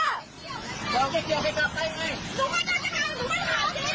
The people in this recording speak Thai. คุณผู้หญิงเสื้อสีขาวเจ้าของรถที่ถูกชน